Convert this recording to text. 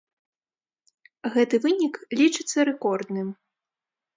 Гэты вынік лічыцца рэкордным.